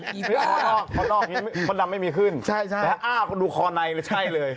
ไม่ได้คอนอกคอนอกคนดำไม่มีขึ้นแต่อ้าวดูคอในแล้วใช่เลย